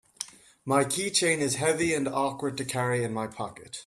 My keychain is heavy and awkward to carry in my pocket.